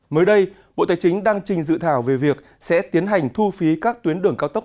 mới đây bộ tài chính đang trình dự thảo về việc sẽ tiến hành thu phí các tuyến đường cao tốc